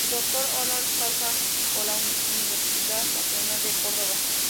Es doctor honoris causa por la Universidad Nacional de Córdoba.